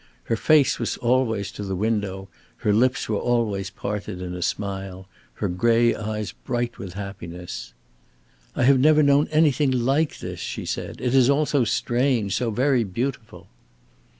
Her face was always to the window, her lips were always parted in a smile, her gray eyes bright with happiness. "I have never known anything like this," she said. "It is all so strange, so very beautiful."